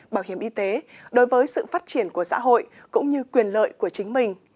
bảo hiểm y tế đối với sự phát triển của xã hội cũng như quyền lợi của chính mình